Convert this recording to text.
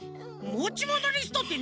もちものリストって